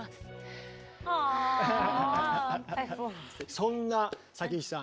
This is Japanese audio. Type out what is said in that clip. そんな咲妃さん